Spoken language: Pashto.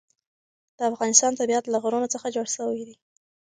د افغانستان طبیعت له غرونه څخه جوړ شوی دی.